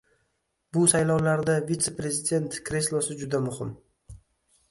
Bu saylovlarda Vitse-prezident kreslosi juda muhim.